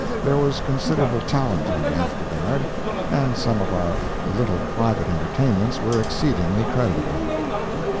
There was considerable talent on the after guard, and some of our little private entertainments were exceedingly creditable.